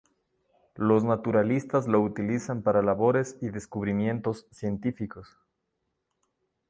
Los naturalistas lo utilizan para labores y descubrimientos científicos.